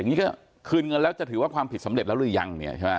อันนี้ก็คืนเงินแล้วจะถือว่าความผิดสำเร็จแล้วหรือยัง